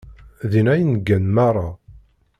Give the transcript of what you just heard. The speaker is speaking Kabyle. Dinna i neggan meṛṛa.